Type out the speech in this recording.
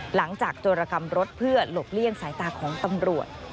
โจรกรรมรถเพื่อหลบเลี่ยงสายตาของตำรวจ